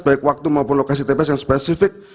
baik waktu maupun lokasi tps yang spesifik